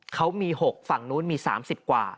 เขามี๖ฝั่งนู้นมี๓๐กว่า